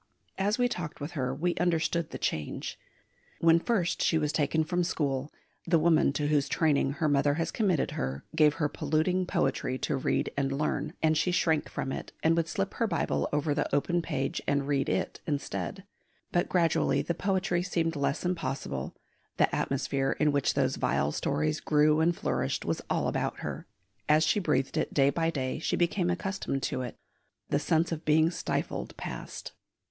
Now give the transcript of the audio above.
As we talked with her we understood the change. When first she was taken from school the woman to whose training her mother has committed her gave her polluting poetry to read and learn, and she shrank from it, and would slip her Bible over the open page and read it instead. But gradually the poetry seemed less impossible; the atmosphere in which those vile stories grew and flourished was all about her; as she breathed it day by day she became accustomed to it; the sense of being stifled passed.